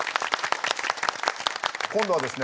今度はですね